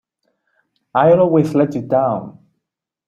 I'll always let you down!